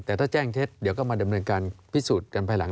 แต่ถ้าแจ้งเท็จเดี๋ยวก็มาดำเนินการพิสูจน์กันภายหลัง